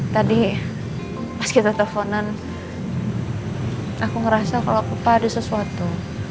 tadi pas kita teleponan aku ngerasa kalau lupa ada sesuatu